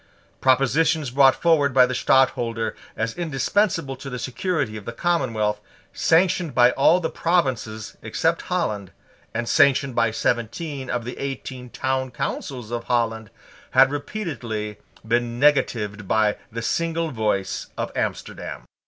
Propositions brought forward by the Stadtholder as indispensable to the security of the commonwealth, sanctioned by all the provinces except Holland, and sanctioned by seventeen of the eighteen town councils of Holland, had repeatedly been negatived by the single voice of Amsterdam.